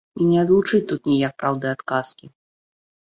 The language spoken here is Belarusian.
І не адлучыць тут ніяк праўды ад казкі.